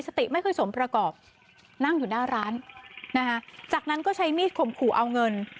สติไม่ค่อยสมประกอบนั่งอยู่หน้าร้านนะคะจากนั้นก็ใช้มีดข่มขู่เอาเงิน